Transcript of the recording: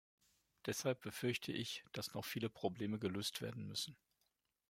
Deshalb befürchte ich, dass noch viele Probleme gelöst werden müssen.